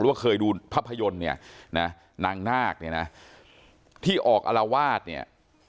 ว่าเคยดูภาพยนตร์เนี่ยนะนางนาคเนี่ยนะที่ออกอารวาสเนี่ย